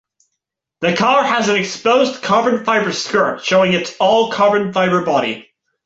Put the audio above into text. The car has an exposed carbon fibre skirt showing its all carbon fibre body.